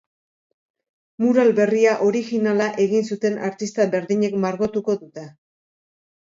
Mural berria orijinala egin zuten artista berdinek margotuko dute.